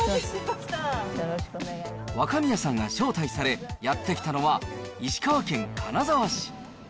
若宮さんが招待され、やって来たのは、石川県金沢市。